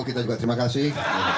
kita juga terima kasih